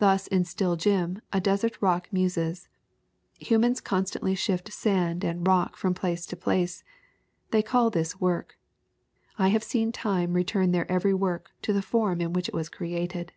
Thus in Still Jim a desert rock muses : "Humans constantly shift sand and rock from place to place. They call this work. I have seen time re turn their every work to the form in which it was created."